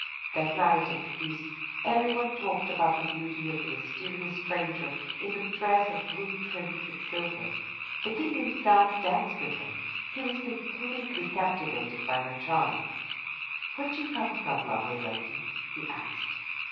That night at the feast every one talked about the beauty of the mysterious stranger in the dress of blue trimmed with silver. The king himself danced with her. He was completely captivated by her charm. "Where do you come from, lovely lady?" he asked.